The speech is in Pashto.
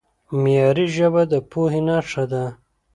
معیاري ژبه د پوهې نښه ده.